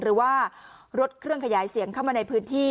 หรือว่ารถเครื่องขยายเสียงเข้ามาในพื้นที่